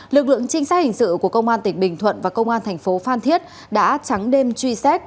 lực lượng trinh sát hình sự của công an tỉnh bình thuận và công an thành phố phan thiết đã trắng đêm truy xét